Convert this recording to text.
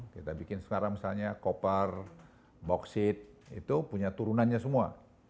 kita bikin sekarang misalnya koper boksit itu punya turunannya semua